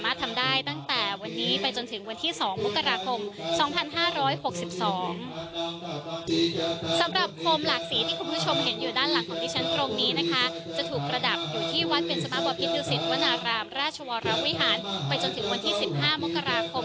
มันเป็นความรู้สึกที่ดีมาก